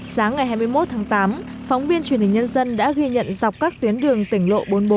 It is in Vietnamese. sáng ngày hai mươi một tháng tám phóng viên truyền hình nhân dân đã ghi nhận dọc các tuyến đường tỉnh lộ bốn mươi bốn